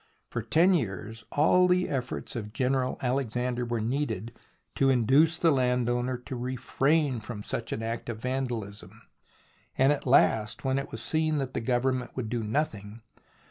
For ten years all the efforts of General Alexander were needed to induce the landowner to refrain from such an act of vandalism, and at last, when it was seen that the Government would do nothing.